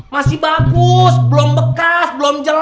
masih bagus belum bekas belum jelas